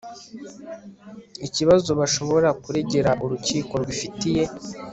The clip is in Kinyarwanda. ikibazo bashobora kuregera urukiko rubifitiye